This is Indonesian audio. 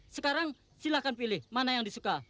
sekarang silahkan pilih mana yang disuka